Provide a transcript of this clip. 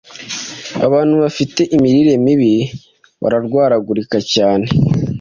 abantu bafite imirire mibi bararwaragurika cyane